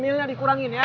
nyemilnya dikurangin ya